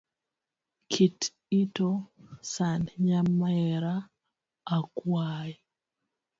Kik ito san nyamera akuai.